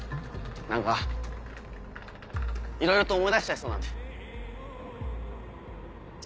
何かいろいろと思い出しちゃいそうなんで。